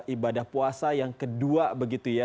ibadah puasa yang kedua begitu ya